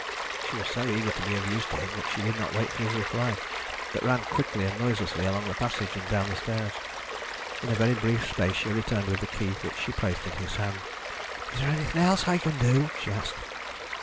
She was so eager to be of use to him that she did not wait for his reply, but ran quickly and noiselessly along the passage, and down the stairs. In a very brief space she returned with the key, which she placed in his hand. "Is there anything else I can do?" she asked.